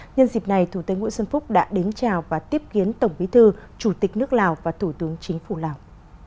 nhân dịp này thủ tướng nguyễn xuân phúc đã đến chào và tiếp kiến tổng bí thư chủ tịch nước lào và thủ tướng chính phủ lào